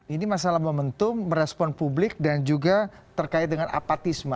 ini masalah momentum merespon publik dan juga terkait dengan apatisme